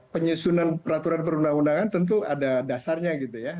penyusunan peraturan perundang undangan tentu ada dasarnya gitu ya